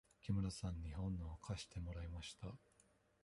木村さんに本を貸してもらいました。